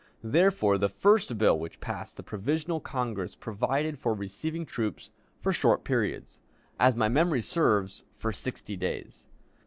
Therefore the first bill which passed the provisional Congress provided for receiving troops for short periods as my memory serves, for sixty days.